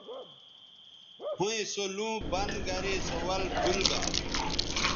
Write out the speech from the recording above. ھویں سو لُوں بند گرے سو ول بُھول گا